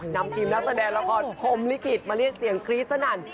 นำทีมนักแสดงละครพรมลิขิตมาเรียกเสียงกรี๊ดสนั่น